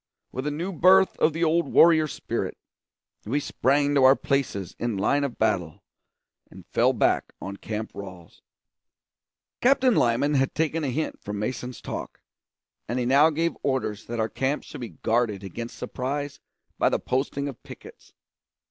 With a new birth of the old warrior spirit, we sprang to our places in line of battle and fell back on Camp Ralls. Captain Lyman had taken a hint from Mason's talk, and he now gave orders that our camp should be guarded against surprise by the posting of pickets.